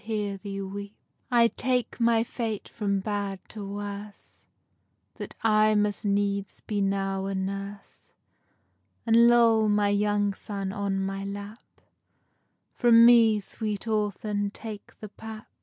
_ I take my fate from bad to worse, That I must needs be now a nurse, And lull my young son on my lap: From me, sweet orphan, take the pap.